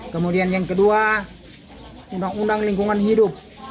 kemudian yang kedua undang undang lingkungan hidup